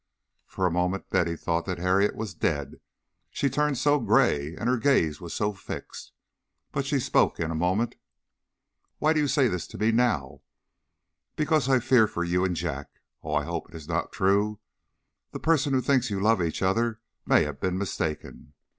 For a moment Betty thought that Harriet was dead, she turned so gray and her gaze was so fixed. But she spoke in a moment. "Why do you say this to me now?" "Because I fear you and Jack Oh, I hope it is not true. The person who thinks you love each other may have been mistaken.